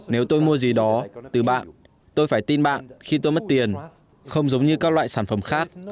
nếu tôi mua gì đó từ bạn tôi phải tin bạn khi tôi mất tiền không giống như các loại sản phẩm khác